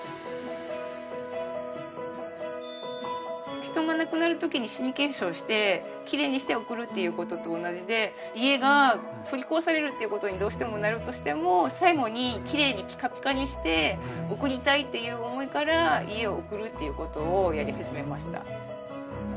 人が亡くなる時に死に化粧してきれいにして送るっていうことと同じで家が取り壊されるっていうことにどうしてもなるとしても最後にきれいにピカピカにして送りたいっていう思いから家を送るっていうことをやり始めました。